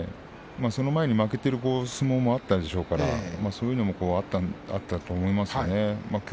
その前に負けている相撲もあったしょうからそれもあったんだと思います。